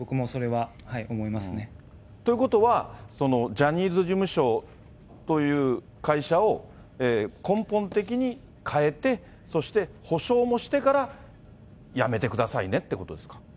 ということは、ジャニーズ事務所という会社を根本的に変えて、そして補償もしてから辞めてくださいねってことですか。